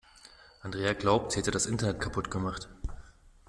Andrea glaubt, sie hätte das Internet kaputt gemacht.